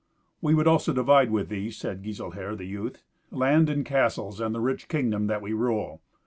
"We would also divide with thee," said Giselher the youth, "land and castles, and the rich kingdom that we rule.